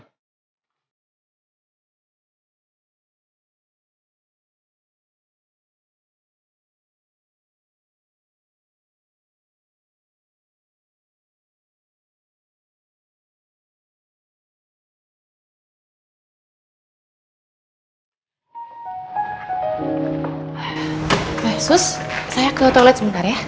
nah yusus saya ke toilet sebentar ya